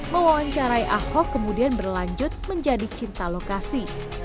mewawancarai ahok kemudian berlanjut menjadi cinta lokasi